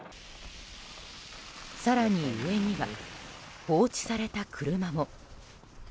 更に上には、放置された車も。